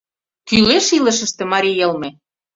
Кӱлеш илышыште марий йылме?